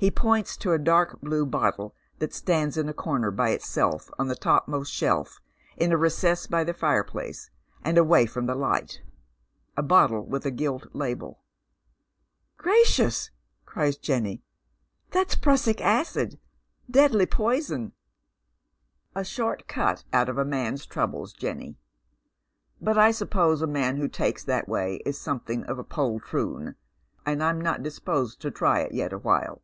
He points to a dark blue bottle that stands in a comer by itself on the topmost shelf in a recess by the fireplace, and away from the light. A bottle with a gilt label. " Gracious I " cries Jenny. " That's prussic acid — deadly poison." " A short cut out of a man's troubles, Jenny. But I suppose a man who takes that way is something of a poltroon, and I'm not disposed to try it yet awhile.